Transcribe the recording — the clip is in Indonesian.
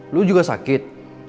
lo juga sakit